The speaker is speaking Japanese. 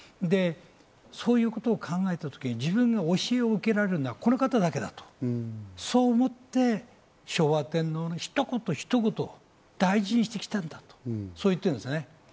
で、そういうことを考えたときに、自分が教えを受けられるのはこの方だけだとそう思って、昭和天皇のひと言ひと言を大事にしてきたんだと、そう言っているんです。